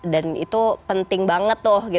dan itu penting banget tuh